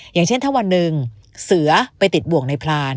อย่างเช่นถ้าวันหนึ่งเสือไปติดบ่วงในพราน